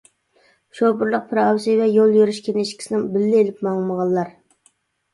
شوپۇرلۇق پىراۋىسى ۋە يول يۈرۈش كىنىشكىسىنى بىللە ئېلىپ ماڭمىغانلار.